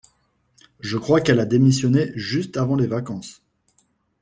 Je crois qu'elle a démissionné juste avant les vacances.